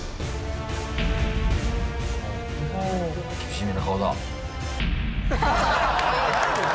厳しめな顔だ。